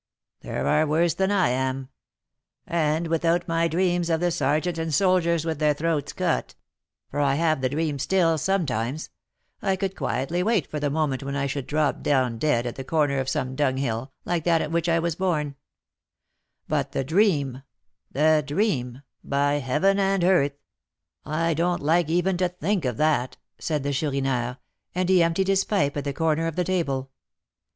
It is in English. "There are worse than I am; and without my dreams of the sergeant and soldiers with their throats cut, for I have the dream still sometimes, I could quietly wait for the moment when I should drop down dead at the corner of some dunghill, like that at which I was born; but the dream the dream by heaven and earth! I don't like even to think of that," said the Chourineur, and he emptied his pipe at the corner of the table.